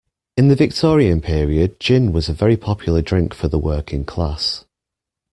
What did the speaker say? In the Victorian period gin was a very popular drink for the working class